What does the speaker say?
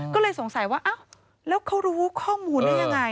ก็เลยสงสัยว่าอ้าวแล้วเขารู้ข้อมูลได้ยังไง